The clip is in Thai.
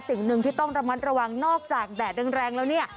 สิ่งหนึ่งที่ต้องระมัดระวังนอกจากแดดแรงแล้วเนี่ย